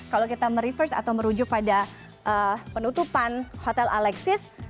kalau kita mereverse atau merujuk pada penutupan hotel alexis